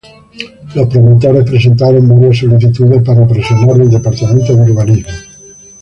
Los promotores presentaron varias solicitudes para presionar al departamento de urbanismo.